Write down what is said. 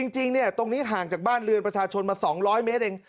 จริงตรงนี้ห่างจากบ้านเรือนประชาชนมา๒๐๐เมตรเอง